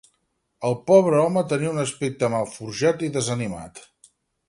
El pobre home tenia un aspecte malforjat i desanimat.